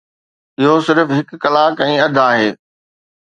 اهو صرف هڪ ڪلاڪ ۽ اڌ آهي.